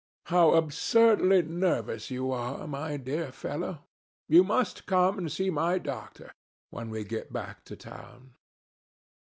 How absurdly nervous you are, my dear fellow! You must come and see my doctor, when we get back to town."